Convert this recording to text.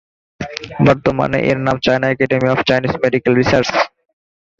বর্তমানে এর নাম China academy of Chinese medical research.